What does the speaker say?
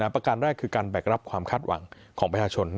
ประการแรกคือการแบกรับความคาดหวังของประชาชน